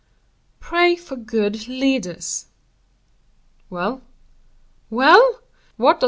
"Pray for good leaders." "Well?" "Well! what does M.